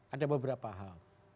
ada beberapa hal